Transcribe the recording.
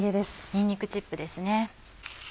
にんにくチップですね。